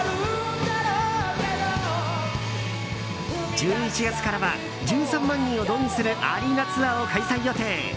１１月からは１３万人を動員するアリーナツアーを開催予定。